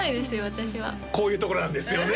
私はこういうところなんですよね